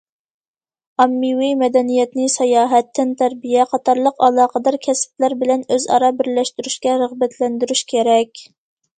ئاممىۋى مەدەنىيەتنى ساياھەت، تەنتەربىيە قاتارلىق ئالاقىدار كەسىپلەر بىلەن ئۆز ئارا بىرلەشتۈرۈشكە رىغبەتلەندۈرۈش كېرەك.